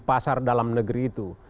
pasar dalam negeri itu